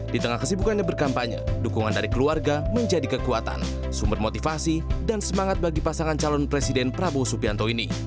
di tengah kesibukannya berkampanye dukungan dari keluarga menjadi kekuatan sumber motivasi dan semangat bagi pasangan calon presiden prabowo subianto ini